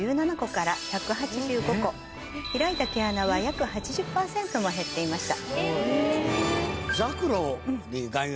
開いた毛穴は約８０％も減っていました。